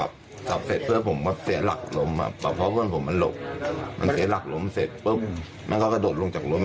ผมถุกฟันผมใกล้ฝัน